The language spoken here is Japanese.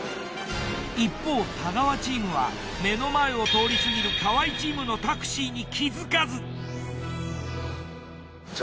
一方太川チームは目の前を通り過ぎる河合チームのタクシーに気付かず。